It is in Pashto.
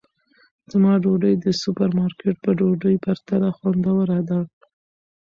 زما ډوډۍ د سوپرمارکېټ په ډوډۍ پرتله خوندوره ده.